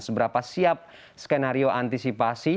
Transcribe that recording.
seberapa siap skenario antisipasi